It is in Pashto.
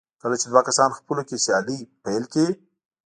کله چې دوه کسان خپله کې سیالي پيل کړي.